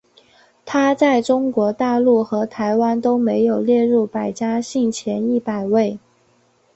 它在中国大陆和台湾都没有列入百家姓前一百位。